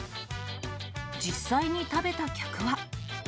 実際に食べた客は。